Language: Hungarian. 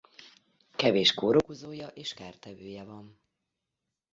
Kevés kórokozója és kártevője van.